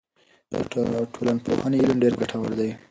د ټولنپوهنې علم ډېر ګټور دی.